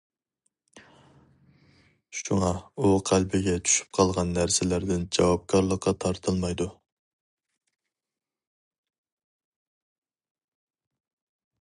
شۇڭا ئۇ, قەلبىگە چۈشۈپ قالغان نەرسىلەردىن جاۋابكارلىققا تارتىلمايدۇ.